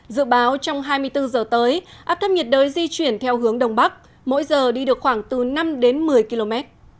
dự báo trong hai mươi bốn giờ tới áp thấp nhiệt đới di chuyển theo hướng đông bắc mỗi giờ đi được khoảng từ năm đến một mươi km